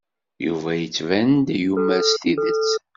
Yuba yettban-d yumer s tidet.